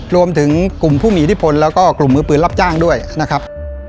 รวมถึงกลุ่มผู้มีอิทธิพลแล้วก็กลุ่มมือปืนรับจ้างด้วยนะครับ